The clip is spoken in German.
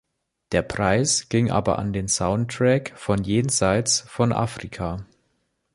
Der Preis ging aber an den Soundtrack von Jenseits von Afrika.